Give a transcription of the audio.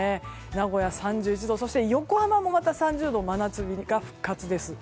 名古屋３１度そして横浜も３０度真夏日が復活です。